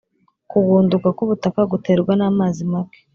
Kugunduka k’ubutaka guterwa namazi make